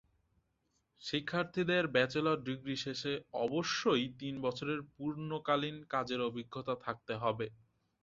শিক্ষার্থীদের bachelor degree শেষে অবশ্যই তিন বছরের পূর্ণকালীন কাজের অভিজ্ঞতা থাকতে হবে।